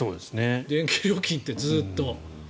電気料金ってずっと。